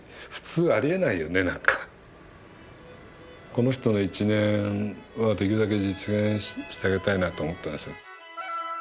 この人の一念はできるだけ実現してあげたいなと思ったんですよね。